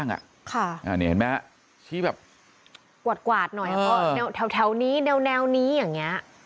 นี่เห็นไหมฮะชี้แบบกวาดหน่อยแถวนี้แนวนี้อย่างนี้